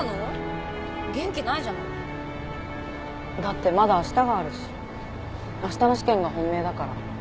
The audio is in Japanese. だってまだあしたがあるしあしたの試験が本命だから。